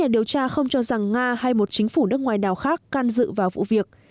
điều tra không cho rằng nga hay một chính phủ nước ngoài nào khác can dự vào vụ việc